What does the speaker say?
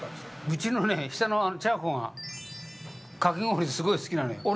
うちのね、下の茶子がかき氷すごい好きなのよ。